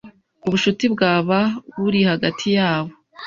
ubushuti bwaba buri hagati yabo.